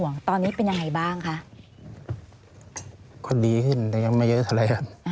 ก็ดีขึ้นแต่ยังไม่เยอะแท้เลยครับ